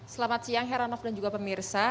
selamat siang heranov dan juga pemirsa